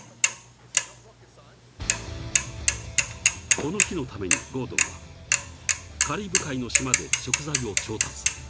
［この日のためにゴードンはカリブ海の島で食材を調達］